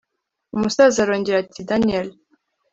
umusaza arongera ati: daniel